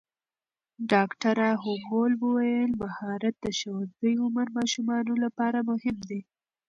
ډاکټره هومبو وویل مهارت د ښوونځي عمر ماشومانو لپاره مهم دی.